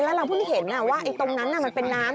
แล้วเราเพิ่งเห็นว่าตรงนั้นมันเป็นน้ำ